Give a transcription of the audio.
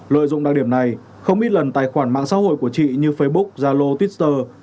lợi dụng đặc điểm này không ít lần tài khoản mạng xã hội của chị như facebook zalo twitter